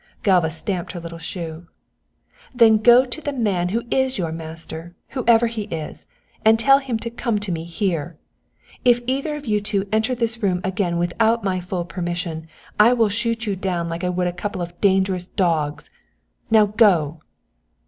Galva stamped her little shoe. "Then go to the man who is your master, whoever he is, and tell him to come to me here. If either of you two enter this room again without my full permission I will shoot you down like I would a couple of dangerous dogs now go."